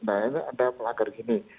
nah ini ada pelanggar gini